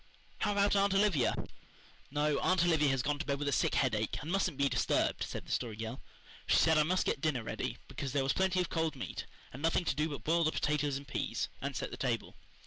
How about Aunt Olivia? "No, Aunt Olivia has gone to bed with a sick headache and mustn't be disturbed," said the Story Girl. "She said I must get dinner ready, because there was plenty of cold meat, and nothing to do but boil the potatoes and peas, and set the table.